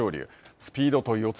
スピードと四つ